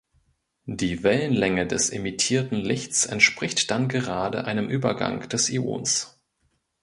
Die Wellenlänge des emittierten Lichts entspricht dann gerade einem Übergang des Ions.